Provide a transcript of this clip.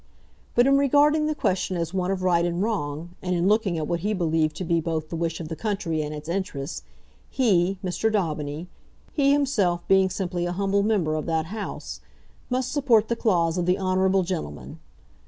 But in regarding the question as one of right and wrong, and in looking at what he believed to be both the wish of the country and its interests, he, Mr. Daubeny, he, himself, being simply a humble member of that House, must support the clause of the honourable gentleman.